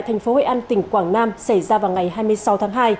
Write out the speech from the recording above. thành phố hội an tỉnh quảng nam xảy ra vào ngày hai mươi sáu tháng hai